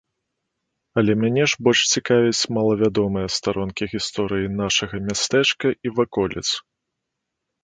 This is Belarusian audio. Але мяне ж больш цікавяць малавядомыя старонкі гісторыі нашага мястэчка і ваколіц.